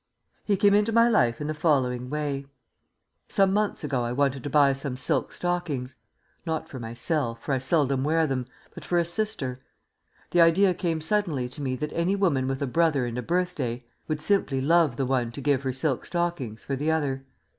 He came into my life in the following way. Some months ago I wanted to buy some silk stockings; not for myself, for I seldom wear them, but for a sister. The idea came suddenly to me that any woman with a brother and a birthday would simply love the one to give her silk stockings for the other.